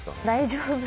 「大丈夫？」